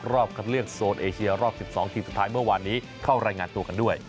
รอบคัดเลือกโซนเอเชียรอบ๑๒ทีมสุดท้ายเมื่อวานนี้เข้ารายงานตัวกันด้วย